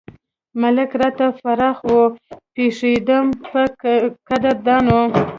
ملک راته فراخ وو پېښېدم پۀ قدردانو